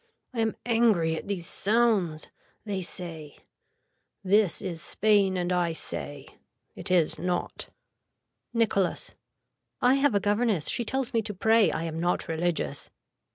I am angry at these sounds. They say. This is Spain and I say. It is not. (Nicholas.) I have a governess. She tells me to pray. I am not religious.